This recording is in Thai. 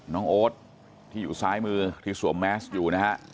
โอ๊ตที่อยู่ซ้ายมือที่สวมแมสอยู่นะฮะ